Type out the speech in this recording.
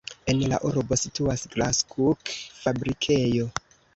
En la urbo situas graskuk-fabrikejo.